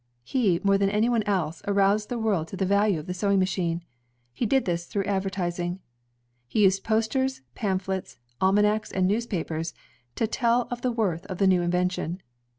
He, more than anyone else, aroused the world to the value of the sewing machine. He did this jthrough advertising. He used posters, pamphlets, alma nacs, and newspapers, to tell of the worth of the new invention.